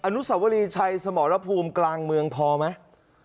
นุสวรีชัยสมรภูมิกลางเมืองพอไหม